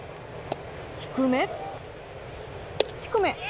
低め、低め。